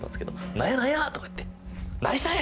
「何や⁉何や⁉」とか言って「何したんや！」